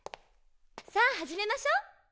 さあはじめましょう。